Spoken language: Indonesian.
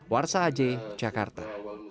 warsa aje jakarta